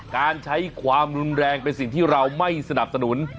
การใช้ความรุนแรงเป็นสิ่งที่เราไม่สนับสนุน